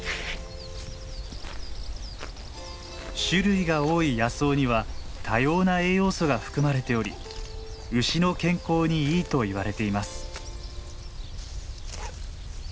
種類が多い野草には多様な栄養素が含まれており牛の健康にいいといわれています。